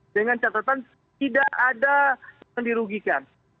dengan catatan tidak ada yang dirugikan